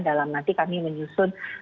dalam nanti kami menyusun